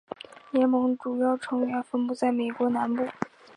联盟成员主要分布在美国南部。